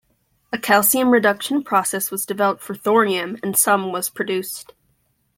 A calcium reduction process was developed for thorium, and some was produced.